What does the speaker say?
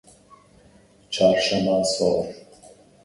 çarşema sor